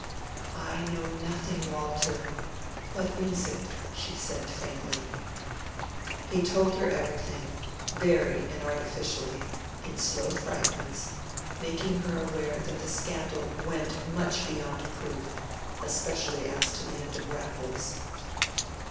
"I know nothing, Walter. What is it?" she said, faintly. He told her everything, very inartificially, in slow fragments, making her aware that the scandal went much beyond proof, especially as to the end of Raffles.